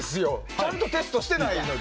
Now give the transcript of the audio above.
ちゃんとテストしてないので。